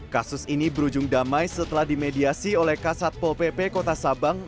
kasus ini berujung damai setelah dimediasi oleh kasatpol pp kota sabang